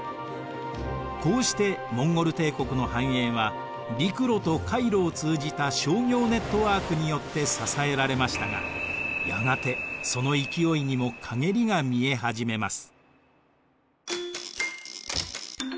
こうしてモンゴル帝国の繁栄は陸路と海路を通じた商業ネットワークによって支えられましたがやがてその勢いにもかげりが見え始めます。